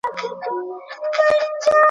که څوک زکات نه ورکوي نو حکومت یې اخلي.